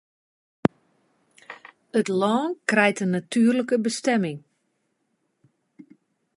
It lân krijt in natuerlike bestimming.